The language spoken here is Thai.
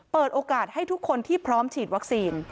เปิดโอกาสให้ทุกคนที่พร้อมฉีดวัคซีน